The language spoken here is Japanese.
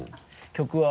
曲は。